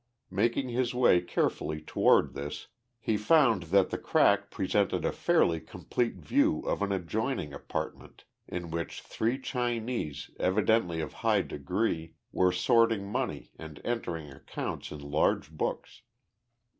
Making his way carefully toward this, he found that the crack presented a fairly complete view of an adjoining apartment in which three Chinese, evidently of high degree, were sorting money and entering accounts in large books.